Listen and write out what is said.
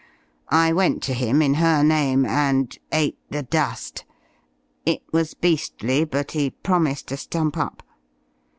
I went to him, in her name, and ate the dust. It was beastly but he promised to stump up.